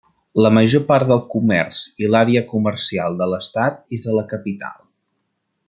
La major part del comerç i l'àrea comercial de l'estat és a la capital.